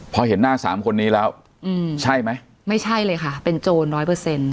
พอเห็นหน้าสามคนนี้แล้วอืมใช่ไหมไม่ใช่เลยค่ะเป็นโจรร้อยเปอร์เซ็นต์